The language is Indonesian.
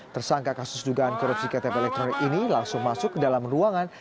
tersangka kasus dugaan korupsi ktp elektronik ini langsung masuk ke dalam ruangan